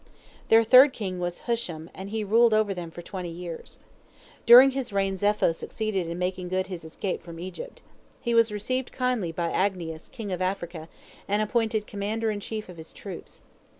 Their third king was Husham, and he ruled over them for twenty years. During his reign Zepho succeeded in making good his escape from Egypt. He was received kindly by Agnias, king of Africa, and appointed commander in chief of his troops.